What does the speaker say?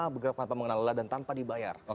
bergerak tanpa mengenal lelah dan tanpa dibayar